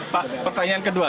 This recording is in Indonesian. pak pertanyaan kedua